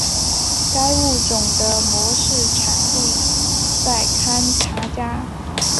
该物种的模式产地在堪察加。